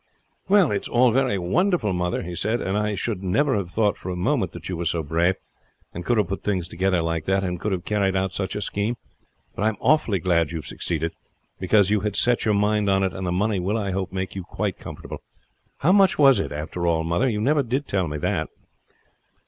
"Well, it's all very wonderful, mother," he said; "and I should never have thought for a moment that you were so brave, and could have put things together like that, and could have carried out such a scheme. But I am awfully glad you have succeeded; because you had set your mind on it, and the money will I hope make you quite comfortable. How much was it after all mother? You never told me that."